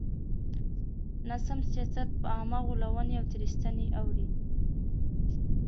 ناسم سياست په عامه غولوني او تېرايستني اوړي.